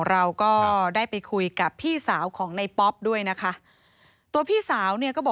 เอาไปปล่อยที่ไหนครับ